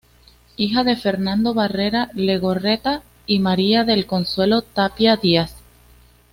Hija de Fernando Barrera Legorreta y María del Consuelo Tapia Díaz.